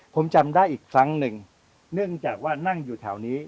ผมจำได้อีกครั้งหนึ่งเนื่องจากว่านั่งอยู่แถวนี้